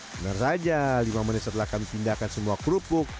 benar saja lima menit setelah kami pindahkan semua kerupuk